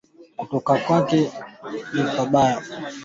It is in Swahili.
kutokana na uchafuzi wa hali ya hewa kulingana na kundi la mazingira